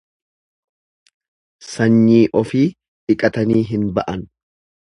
Sanyii ofii dhiqatanii hin ba'an.